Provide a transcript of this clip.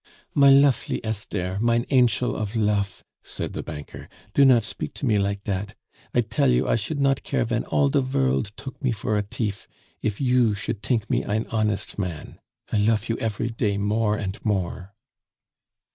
"My lofely Esther, mein anchel of lofe," said the banker, "do not speak to me like dat. I tell you, I should not care ven all de vorld took me for a tief, if you should tink me ein honest man. I lofe you every day more and more."